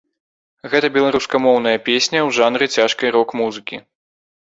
Гэта беларускамоўная песня ў жанры цяжкай рок-музыкі.